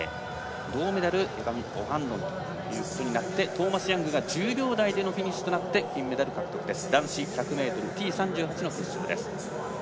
銅メダル、エバン・オハンロンということになってトーマス・ヤングが１０秒台でのフィニッシュとなって金メダル獲得です。